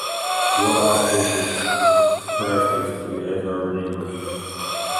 What offices does Christ execute as our Redeemer?